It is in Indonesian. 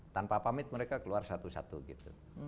tanpa pamit mereka keluar satu satu gitu